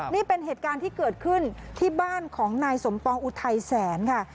นี่เป็นเหตุการณ์ที่เกิดขึ้นที่บ้านของนายสมปองอุทัยแสนค่ะ